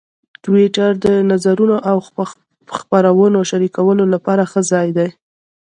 ټویټر د نظرونو او خبرونو شریکولو لپاره ښه ځای دی.